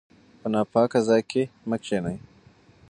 په ناپاکه ځای کې مه کښینئ.